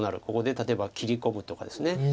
ここで例えば切り込むとかです。